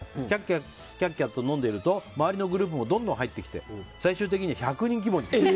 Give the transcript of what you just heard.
キャッキャと飲んでいると周りのグループもどんどん入ってきて最終的には１００人規模に。